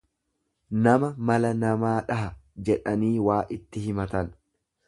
nama mala namaa dhaha jedhanii waa itti himatan.